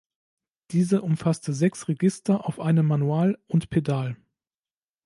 Diese umfasste sechs Register auf einem Manual und Pedal.